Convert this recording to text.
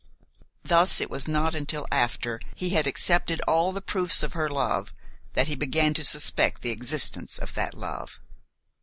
Thus it was not until after he had accepted all the proofs of her love that he began to suspect the existence of that love.